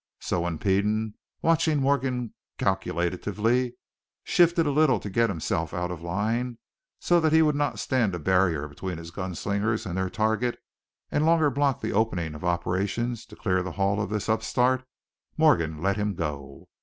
So, when Peden, watching Morgan calculatively, shifted a little to get himself out of line so he would not stand a barrier between his gun slingers and their target and longer block the opening of operations to clear the hall of this upstart, Morgan let him go.